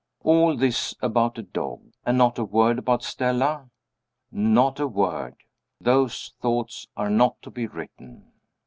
All this about a dog! And not a word about Stella? Not a word. Those thoughts are not to be written.